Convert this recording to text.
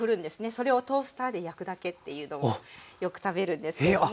それをトースターで焼くだけっていうのをよく食べるんですけれども。